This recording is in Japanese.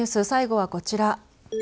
最後はこちら。